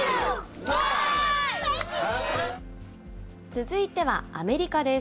続いてはアメリカです。